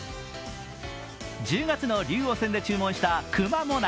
１０月の竜王戦で注文した、くま最中。